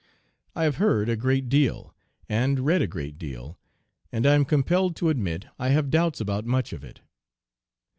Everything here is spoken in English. I have heard a great deal and read a great deal, and I am compelled to admit I have doubts about much of it.